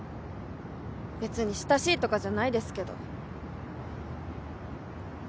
べつに親しいとかじゃないですけど。